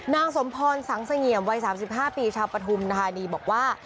นางสมพรสังเสงี่ยมวัย๓๕ปีชาวปฐุมธานีบอกว่า